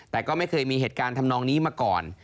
แต่ก็ไม่เคยมีเหตุการณ์ทำนองนี้มาก่อน